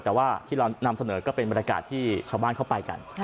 แต่ว่าที่เรานำเสนอก็เป็นบรรยากาศที่ชาวบ้านเข้าไปกัน